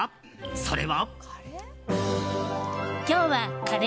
それは。